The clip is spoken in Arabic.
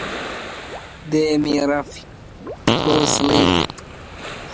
تزوّجت ليلى بفاضل من أجل ماله.